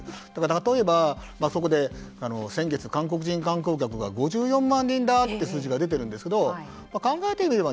例えばそこで先月韓国人観光客が５４万人だという数字が出ているんですけど考えてみれば